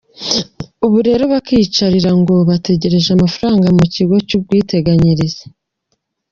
Ubundi rero bakiyicarira ngo batagereje amafaranga mu Ikigo cy’Ubwiteganyirize.